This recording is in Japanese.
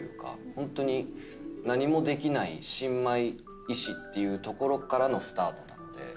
ホントに何もできない新米医師というところからのスタートなので。